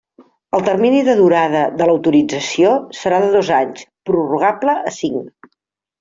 El termini de durada de l'autorització serà de dos anys, prorrogable a cinc.